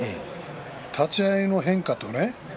立ち合いの変化とね。